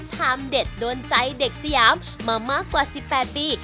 เด็ดโดนใจเด็กสยามมามากกว่า๑๘ปี